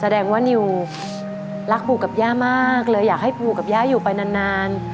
แสดงว่านิวรักปู่กับย่ามากเลยอยากให้ปู่กับย่าอยู่ไปนาน